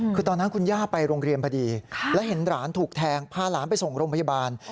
คือตอนนั้นคุณย่าไปโรงเรียนพอดีแล้วเห็นหลานถูกแทงพาหลานไปส่งโรงพยาบาล